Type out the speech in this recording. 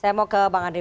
saya mau ke bang andre